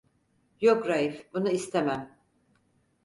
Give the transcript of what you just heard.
Yok, Raif bunu istemem.